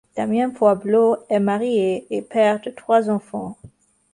Damien Poisblaud est marié et père de trois enfants.